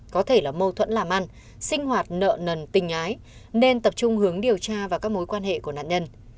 có thể là mâu thuẫn làm ăn sinh hoạt nợ nần tình ái nên tập trung hướng điều tra vào các mối quan hệ của nạn nhân